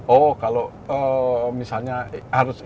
oh kalau misalnya harus